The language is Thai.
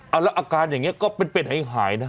แล้วอาการอย่างนี้ก็เป็นเป็นให้หายนะ